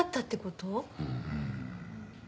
うん。